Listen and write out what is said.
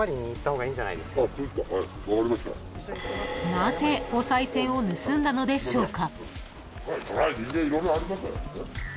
［なぜおさい銭を盗んだのでしょうか］